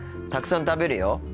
たくさん食べるよ。